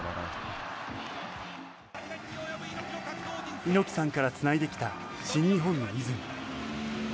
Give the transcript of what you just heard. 猪木さんからつないできた新日本のイズム。